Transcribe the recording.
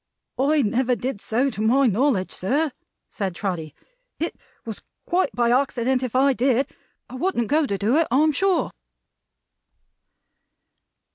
"I never did so to my knowledge, sir," said Trotty. "It was quite by accident if I did. I wouldn't go to do it, I'm sure."